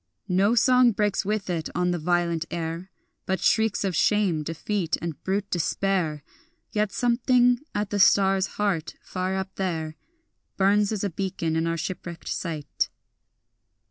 No song breaks with it on the violent air, But shrieks of shame, defeat, and brute despair; Yet something at the star's heart far up there Burns as a beacon in our shipwrecked sight.